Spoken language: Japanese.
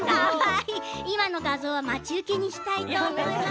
今の画像は待ち受けにしたいと思います。